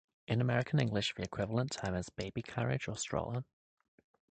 In American English, the equivalent term is "baby carriage" or "stroller".